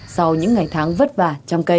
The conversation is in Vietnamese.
sau những ngày tháng vất vả trong cây